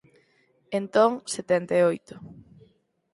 Entón, setenta e oito